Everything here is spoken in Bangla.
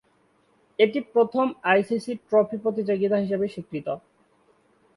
এটি প্রথম আইসিসি ট্রফি প্রতিযোগিতা হিসেবে স্বীকৃত।